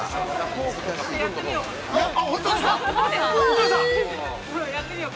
◆やってみようかな。